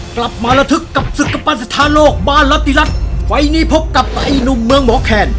กลับมาระทึกกับศึกกปันสถานโลกบ้านลัติรัฐไฟล์นี้พบกับไอ้หนุ่มเมืองหมอแคน